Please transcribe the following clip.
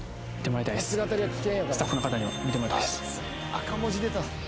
赤文字出た。